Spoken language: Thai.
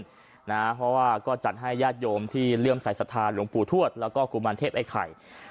เพราะว่าก็จัดให้ญาติโยมที่เลื่อมสายศรัทธาหลวงปู่ทวดแล้วก็กุมารเทพไอ้ไข่